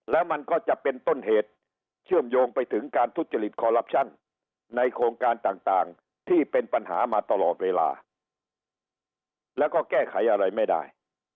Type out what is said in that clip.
แล้วมันก็จะเป็นต้นเหตุเชื่อมโยงไปถึงการทุจริตคอลลับชั่นในโครงการต่างที่เป็นปัญหามาตลอดเวลาแล้วก็แก้ไขอะไรไม่ได้